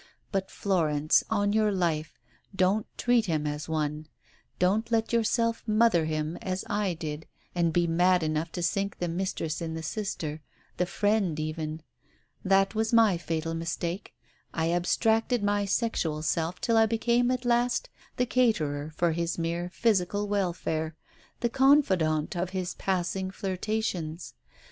But, Florence, on your life, don't treat him as one. Don't let yourself * mother ' him as I did and be mad enough to sink the mistress in the sister, the friend even. That was my fatal mistake, I abstracted my sexual self till I became at last the caterer for his mere physical welfare, the confidante of his passing flirtations.